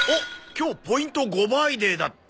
今日ポイント５倍デーだって。